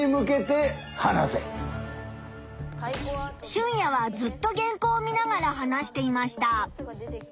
シュンヤはずっと原稿を見ながら話していました。